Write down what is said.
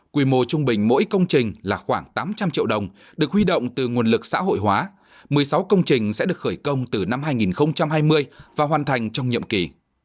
quy mô trung bình mỗi công trình là khoảng tám trăm linh triệu đồng được huy động từ nguồn lực xã hội hóa một mươi sáu công trình sẽ được khởi công từ năm hai nghìn hai mươi và hoàn thành trong nhiệm kỳ